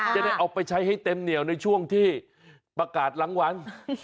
จะได้เอาไปใช้ให้เต็มเหนียวในช่วงที่ประกาศรางวัล